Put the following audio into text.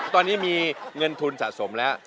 ตอนนี้มีเงินทุนสะสมแล้ว